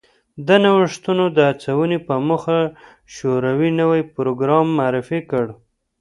د نوښتونو د هڅونې په موخه شوروي نوی پروګرام معرفي کړ